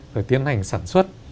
rồi tiến hành sản xuất